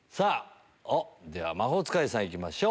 では魔法使いさん行きましょう。